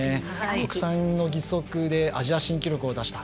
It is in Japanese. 国産の義足でアジア新記録を出した。